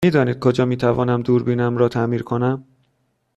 می دانید کجا می تونم دوربینم را تعمیر کنم؟